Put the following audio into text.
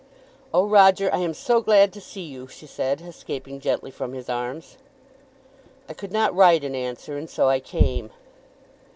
"Oh, Roger, I am so glad to see you," she said, escaping gently from his arms. "I could not write an answer, and so I came."